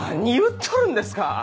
何言っとるんですか！